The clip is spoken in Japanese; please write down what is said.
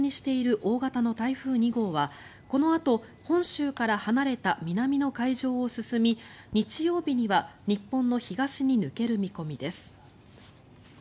梅雨前線を活発にしている大型の台風２号はこのあと本州から離れた南の海上を進み日曜日には日本の東に抜ける見込みです。